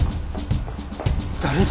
誰だ？